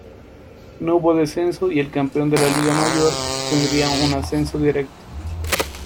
No hubo descenso y el campeón de la Liga Mayor tendría un ascenso directo.